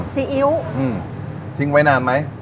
ซีอิ๊วอืมทิ้งไว้นานมั้ย